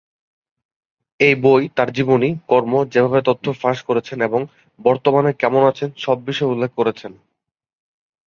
এই বই তার জীবনী, কর্ম, যেভাবে তথ্য ফাঁস করেছেন এবং বর্তমানে কেমন আছেন সব বিষয় উল্লেখ করেছেন।